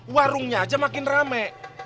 warungnya aja makin rame